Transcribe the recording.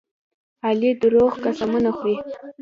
علي دروغ قسمونه خوري.